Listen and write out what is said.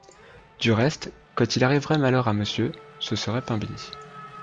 Du reste, quand il arriverait malheur à Monsieur… ce serait pain bénit…